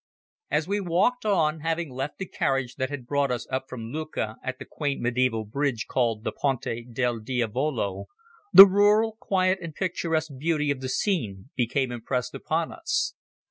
As we walked on, having left the carriage that had brought us up from Lucca at the quaint mediaeval bridge called the Ponte del Diavolo, the rural, quiet and picturesque beauty of the scene became impressed upon us.